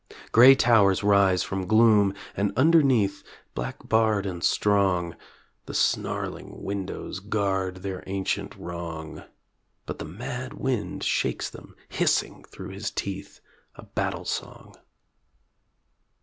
Grey towers rise from gloom and underneath Black barred and strong The snarling windows guard their ancient wrong; But the mad wind shakes them, hissing through his teeth A battle song.